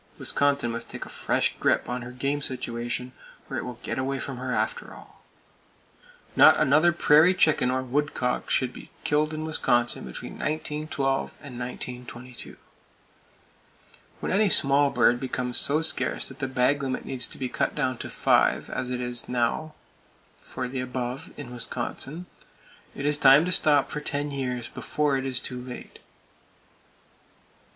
Wisconsin must take a fresh grip on her game situation, or it will get away from her, after all. Not another prairie chicken or woodcock should be killed in Wisconsin between 1912 and 1922. When any small bird becomes so scarce that the bag limit needs to be cut down to five, as it now is for the above in Wisconsin, it is time to stop for ten years, before it is too late.